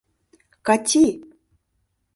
— Кати!